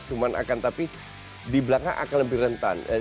cuma akan tapi di belakang akan lebih rentan